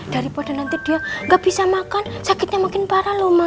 daripada nanti dia nggak bisa makan sakitnya makin parah loh